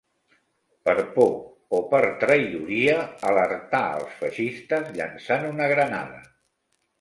Per por o per traïdoria, alertà els feixistes llançant una granada